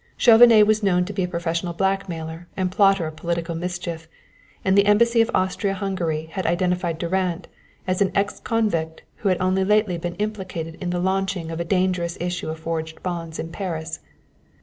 Chauvenet was known to be a professional blackmailer and plotter of political mischief, and the embassy of Austria Hungary had identified Durand as an ex convict who had only lately been implicated in the launching of a dangerous issue of forged bonds in Paris.